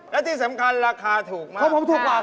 และที่สำคัญราคาถูกมาก